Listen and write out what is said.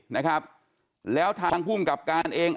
นะครับแล้วทางภูมิกับการเอง